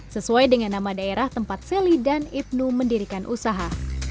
sesuai dengan nama daerah tempat selly dan ibnu mendirikan usaha